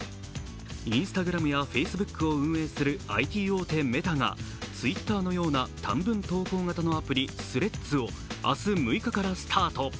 ＩｎｓｔａｇｒａｍやＦａｃｅｂｏｏｋを運営するＩＴ大手・メタがＴｗｉｔｔｅｒのような短文投稿型のアプリ、Ｔｈｒｅａｄｓを明日、６日からスタート。